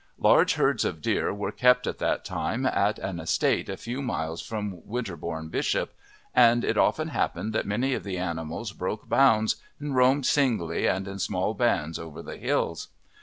Large herds of deer were kept at that time at an estate a few miles from Winterbourne Bishop, and it often happened that many of the animals broke bounds and roamed singly and in small bands over the hills.